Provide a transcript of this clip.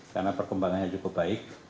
karena perkembangannya cukup baik